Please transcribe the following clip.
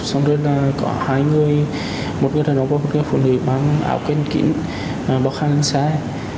có hai người một người đàn ông và một người phụ nữ bằng áo kênh kính bọc hàng lên xe